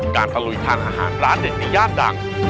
ตะลุยทานอาหารร้านเด็ดในย่านดัง